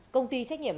công ty trách nhiệm